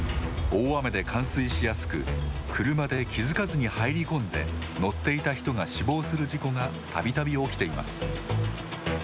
大雨で冠水しやすく車で気付かずに入り込んで乗っていた人が死亡する事故がたびたび起きています。